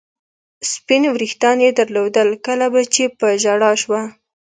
سپین وریښتان یې درلودل، کله به چې په ژړا شوه.